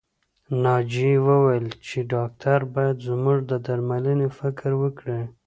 ناجيې وويل چې ډاکټر بايد زموږ د درملنې فکر وکړي